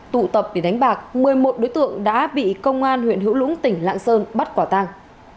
tụ tập để đánh bạc một mươi một đối tượng đã bị công an huyện hữu lũng tỉnh lạng sơn bắt quả tàng